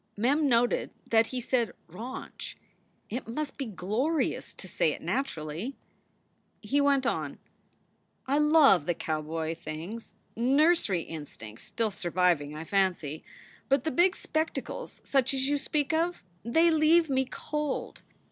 Mem noted that he said "rahnch." It must be glorious to say it naturally. He went on: "I love the cowboy things nursery in stincts still surviving, I fancy. But the big spectacles such as you speak of, they leave me cold.